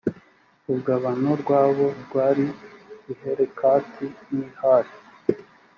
urugabano rwabo rwari i helikati n i hali